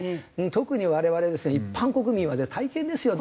特に我々ですね一般国民はね大変ですよ